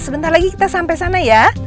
sebentar lagi kita sampai sana ya